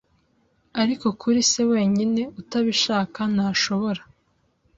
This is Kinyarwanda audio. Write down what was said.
ariko kuri se wenyine, utabishaka, ntashobora,